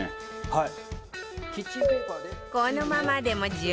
はい。